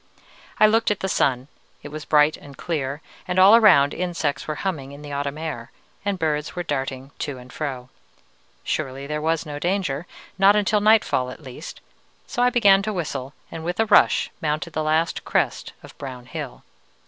I looked at the sun; it was bright and clear, and all around insects were humming in the autumn air, and birds were darting to and fro. Surely there was no danger, not until nightfall at least; so I began to whistle, and with a rush mounted the last crest of brown hill.